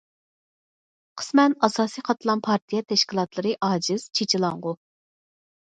قىسمەن ئاساسىي قاتلام پارتىيە تەشكىلاتلىرى ئاجىز، چېچىلاڭغۇ.